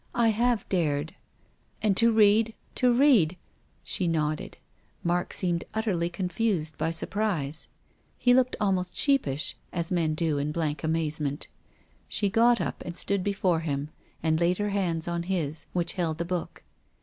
"I have dared." " And to read — to read " She nodded. Mark seemed utterly confused by surprise. He looked almost sheepish, as men do in blank amazement. She got up and stood before him and laid her hands on his, which held the book.